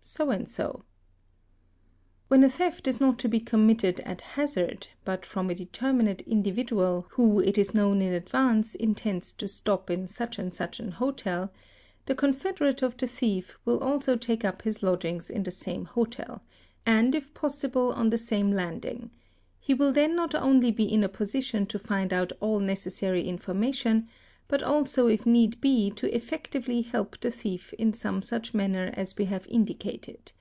so and so"'. When a theft is not to be committed at hazard but from a determinate 1 individual who it is known in advance intends to stop in such and such an hotel, the confederate of the thief will also take up his lodgings n the same hotel, and, if possible, on the same landing ; he will then not 88 '——= 698 THEFT only be in a position to find out all necessary information, but also if need be to effectively help the thief in some such manner as we have indicated.